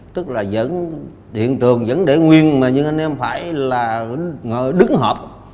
tức là vẫn hiện trường vẫn để nguyên mà những anh em phải là đứng hợp